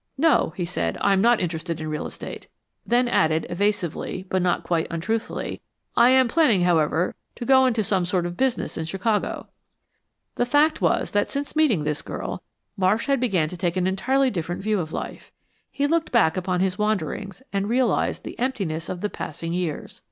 "No," he said, "I am not interested in real estate," then added, evasively, but not quite untruthfully, "I am planning, however, to go into some sort of business in Chicago." The fact was that since meeting this girl, Marsh had began to take an entirely different view of life. He looked back upon his wanderings and realized the emptiness of the passing years.